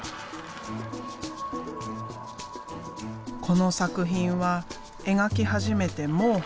この作品は描き始めてもう半年。